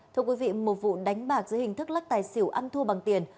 thưa quý vị một vụ đánh bạc dưới hình thức lắc tài xỉu ăn thua bằng tiền